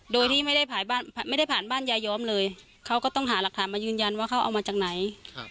โดยที่ไม่ได้ผ่านบ้านยายอมเลยเขาก็ต้องหาหลักฐานมายืนยันว่าเขาเอามาจากไหน